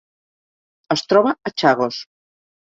Es troba a Chagos.